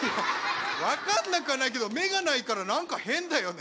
分かんなくはないけど目がないから何か変だよね。